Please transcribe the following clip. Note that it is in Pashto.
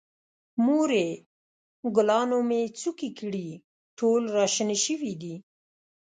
مورې، ګلانو مې څوکې کړي، ټول را شنه شوي دي.